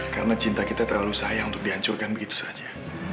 karena cinta kita terlalu sayang untuk dihancurkan begitu saja